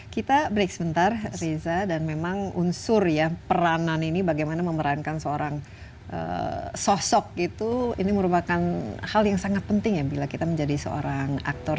kita break sebentar reza dan memang unsur ya peranan ini bagaimana memerankan seorang sosok itu ini merupakan hal yang sangat penting ya bila kita menjadi seorang aktor